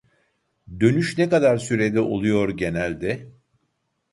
Dönüş ne kadar sürede oluyor genelde